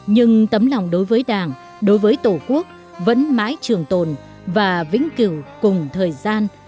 nhưng tấm lòng đối với đảng đối với tổ quốc vẫn mãi trường tồn và vĩnh cửu cùng thời gian